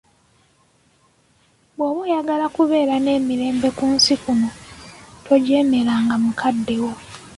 Bw'oba oyagala okubeera n'emirembe ku nsi kuno, tojeemeranga mukaddewo.